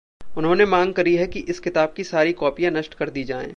उन्होंने मांग करी है कि इस किताब की सारी कॉपियाँ नष्ट कर दीं जाएं।